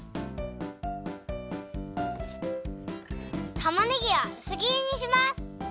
たまねぎはうすぎりにします。